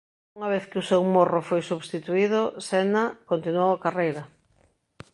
Unha vez que o seu morro foi substituído Senna continuou a carreira.